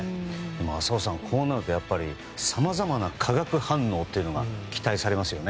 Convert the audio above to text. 浅尾さん、こうなるとさまざまな化学反応が期待されますよね。